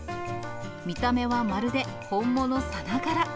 見た目はまるで本物さながら。